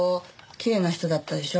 きれいな人だったでしょ？